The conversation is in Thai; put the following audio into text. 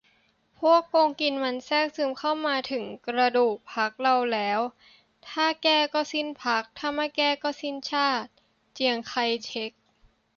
"พวกโกงกินมันแทรกซึมเข้ามาถึงกระดูกพรรคเราแล้ว ถ้าแก้ ก็สิ้นพรรค ถ้าไม่แก้ ก็สิ้นชาติ" - เจียงไคเช็ก